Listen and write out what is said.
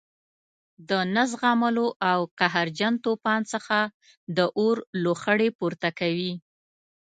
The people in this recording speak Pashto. د نه زغملو له قهرجن توپان څخه د اور لوخړې پورته کوي.